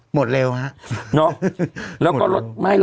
หมดเร็วฮะ